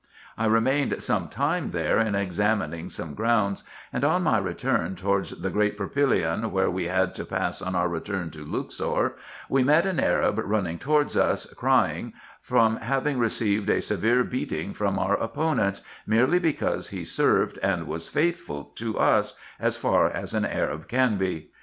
I remained some time there in examining some grounds, and on my return towards the great propylaeon where we had to pass on our return to Luxor, we met an Arab running towards us, crying, from having received a severe beating from our opponents, merely because he served, and was faithful to us, as far as an Arab can be.